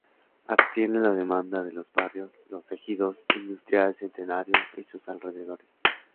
Atiende la demanda de los barrios Los Ejidos, Industrial Centenario y sus alrededores.